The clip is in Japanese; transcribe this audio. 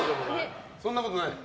そんなことない？